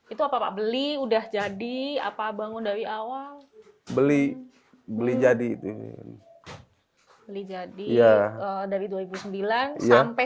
itu apa pak beli udah jadi apa bangun dari awal beli beli jadi itu beli jadi dari dua ribu sembilan sampai